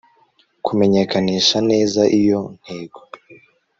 kumenyekanisha neza iyo ntego